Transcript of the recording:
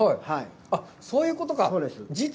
そういうことか。